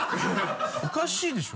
おかしいでしょ？